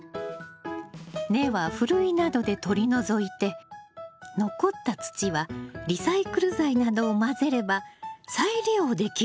根はふるいなどで取り除いて残った土はリサイクル剤などを混ぜれば再利用できるわよ。